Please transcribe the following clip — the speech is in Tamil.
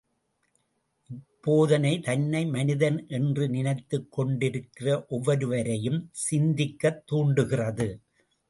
இப்போதனை தன்னை மனிதன் என்ற நினைத்துக் கொண்டிருக்கிற ஒவ்வொருவரையும் சிந்திக்கத் தூண்டுகிறது.